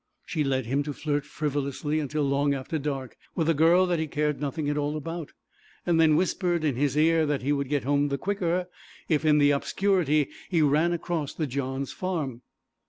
She led him to flirt frivolously until long after dark with a girl that he cared nothing at all about, and then whispered in his ear that he would get home the quicker if in the obscurity he ran across the Johns' farm.